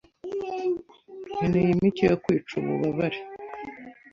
Nkeneye imiti yo kwica ububabare.